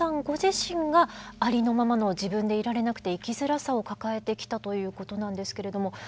ご自身がありのままの自分でいられなくて生きづらさを抱えてきたということなんですけれども。